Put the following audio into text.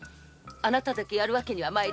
あなただけをやるわけには。